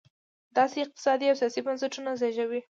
داسې اقتصادي او سیاسي بنسټونه زېږوي.